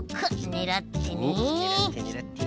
ねらってねらって。